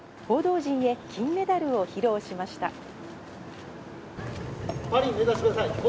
報道陣へ金メダルを披露しました。